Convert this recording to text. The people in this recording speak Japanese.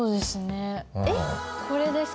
えっこれですか？